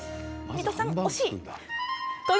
三戸さん惜しい。